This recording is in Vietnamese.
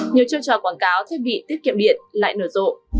nhiều chiêu trò quảng cáo thiết bị tiết kiệm điện lại nở rộ